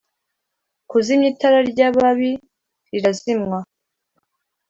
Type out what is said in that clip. kuzimya itara ry ababi rizazimywa